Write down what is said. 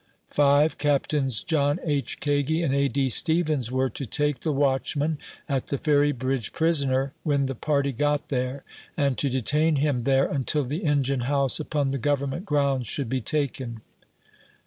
5. Captains John H. Kagi and A. D. Stevens were to take the watchman at the Ferry bridge prisoner when the party got there, and to detain him there until the engine house upon the Government grounds should be taken.